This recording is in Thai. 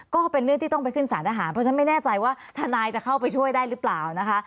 ก็เป็นเรื่องที่ต้องไปขึ้นสารทหารเพราะฉะนั้นไม่แน่ใจว่าทนายจะเข้าไปช่วยได้หรือเปล่านะคะ